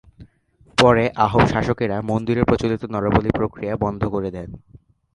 পরে আহোম শাসকেরা মন্দিরে প্রচলিত নরবলি প্রক্রিয়া বন্ধ করে দেন।